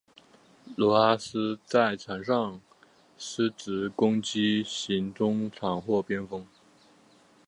罗哈斯在场上司职攻击型中场或边锋。